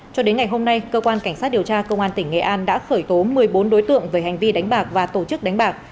cho đến ngày hôm nay cơ quan cảnh sát điều tra công an tỉnh nghệ an đã khởi tố một mươi bốn đối tượng về hành vi đánh bạc và tổ chức đánh bạc